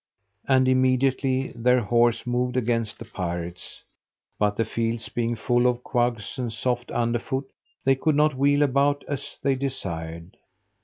and immediately their horse moved against the pirates: but the fields being full of quags, and soft underfoot, they could not wheel about as they desired.